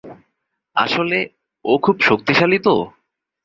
আসলে ও খুব শক্তিশালী তো।